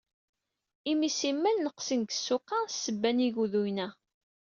Imi simmal neqqsen seg ssuq-a s ssebba n yiguduyen-a.